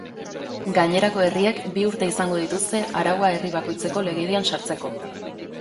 Gainerako herriek bi urte izango dituzte araua herri bakoitzeko legedian sartzeko.